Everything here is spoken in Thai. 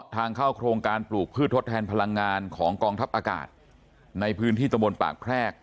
ทางเข้าโครงการปลูกพืชทดแทนพลังงานของกองทัพอากาศในพื้นที่ตะบนปากแพรก